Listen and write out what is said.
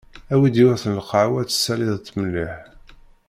Awi-d yiwet n lqehwa tessaliḍ-tt mliḥ.